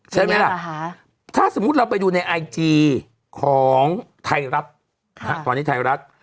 ใช่ไหมล่ะถ้าสมมุติเราไปดูในไอจีของไทยรัฐตอนนี้ไทยรัฐ